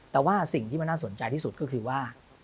แต่ว่าสิ่งที่มันน่าสนใจที่สุดก็คือว่า